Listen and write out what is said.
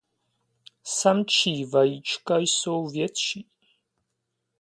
Samčí vajíčka jsou větší.